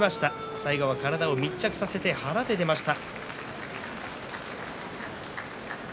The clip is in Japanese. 最後は体を密着させて腹で出ました。